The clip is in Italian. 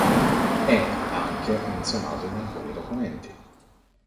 È anche menzionato in alcuni documenti